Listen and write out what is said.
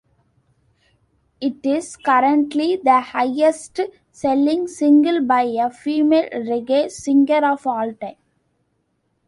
It is currently the highest-selling single by a female reggae singer of all time.